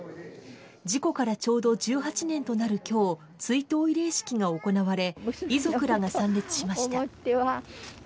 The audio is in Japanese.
事故からちょうど１８年となるきょう、追悼慰霊式が行われ、遺族らが参列しました。